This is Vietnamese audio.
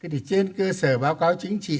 trên cơ sở báo cáo chính trị